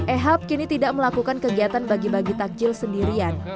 ehab kini tidak melakukan kegiatan bagi bagi takjil sendirian